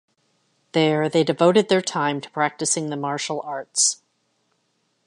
There, they devoted their time to practicing the martial arts.